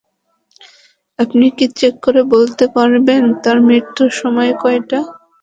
আপনি কি চেক করে বলতে পারবেন তার মৃত্যুর সময় কয়টা?